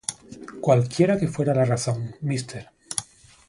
Cualquiera que fuera la razón, Mr.